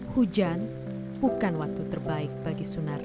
hujan bukan waktu terbaik bagi sunario